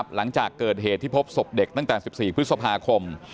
หลังจากเกิดเหตุที่พบศพเด็กตั้งแต่๑๔พฤษภาคม